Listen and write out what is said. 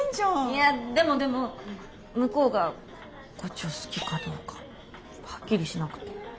いやでもでも向こうがこっちを好きかどうかははっきりしなくて。